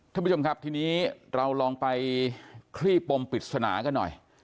ท่านผู้ชมครับทีนี้เราลองไปคลี่ปมปริศนากันหน่อย